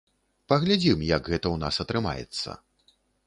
Паглядзім, як гэта ў нас атрымаецца.